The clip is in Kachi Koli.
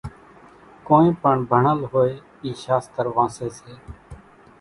ڪونئين پڻ ڀڻل هوئيَ اِي شاستر وانسيَ سي۔